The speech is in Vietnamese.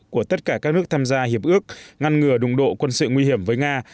của tất cả các nước tham gia hiệp ước ngăn ngừa đụng độ quân sự nguy hiểm với nga